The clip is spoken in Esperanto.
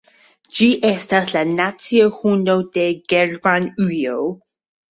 Ĝi estas la nacia hundo de Germanujo.